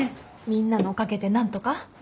みんなのおかげでなんとか。